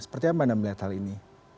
seperti apa anda melihat hal ini